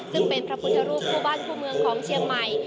ซึ่งเป็นพระพุทธรูปคู่บ้านคู่เมืองของเชียงใหม่